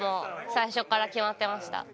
最初から決まってました。